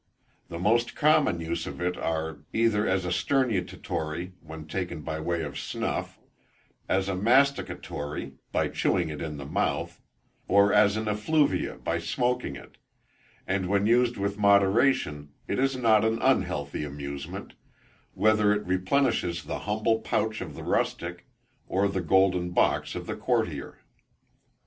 The most common uses of it are, either as a sternutatory when taken by way of snuff, as a masticatory by chewing it in the mouth, or as an effluvia by smoking it; and when used with moderation is not an unhealthy amusement, whether it replenishes the humble pouch of the rustic, or the golden box of the courtier.